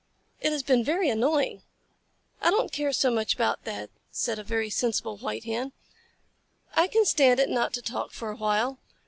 It has been very annoying." "I don't care so much about that," said a very sensible White Hen. "I can stand it not to talk for a while.